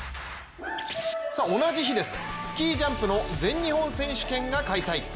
同じ日です、スキージャンプの全日本選手権が開催。